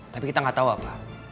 tapi kita gak tau apa